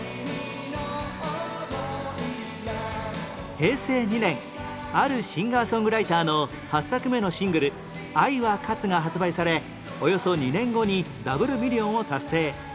平成２年あるシンガー・ソングライターの８作目のシングル『愛は勝つ』が発売されおよそ２年後にダブルミリオンを達成